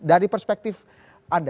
dari perspektif anda